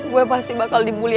gue pasti bakal dibully